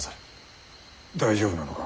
大丈夫なのか？